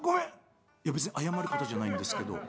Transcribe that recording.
「いや別に謝ることじゃないんですけど」。